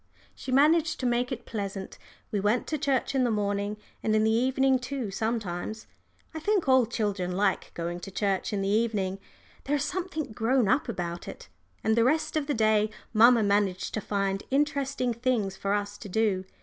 She managed to make it pleasant. We went to church in the morning, and in the evening too sometimes. I think all children like going to church in the evening; there is something grown up about it. And the rest of the day mamma managed to find interesting things for us to do.